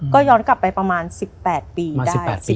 ก็ย้อนกลับไปประมาณ๑๘ปีได้